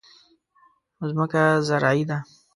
ځمکه زرعي ده.